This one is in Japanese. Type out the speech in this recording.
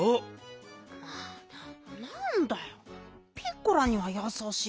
ピッコラにはやさしいじゃん。